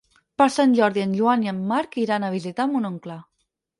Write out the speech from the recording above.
Per Sant Jordi en Joan i en Marc iran a visitar mon oncle.